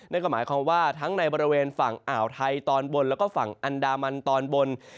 นั่นก็หมายความว่าทั้งในบริเวณฝั่งอ่าวไทยตอนบนแล้วก็ฝั่งอันดามันตอนบน